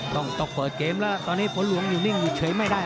ต้องเปิดเกมแล้วตอนนี้ฝนหลวงอยู่นิ่งอยู่เฉยไม่ได้